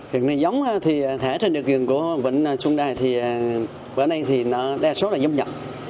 hiện nay giống thì thẻ trên địa bàn của vịnh xuân đài thì bữa nay thì nó đa số là giống nhập